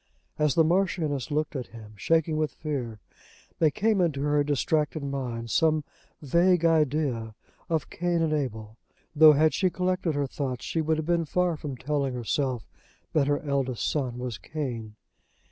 As the Marchioness looked at him, shaking with fear, there came into her distracted mind some vague idea of Cain and Abel, though had she collected her thoughts she would have been far from telling herself that her eldest son was Cain.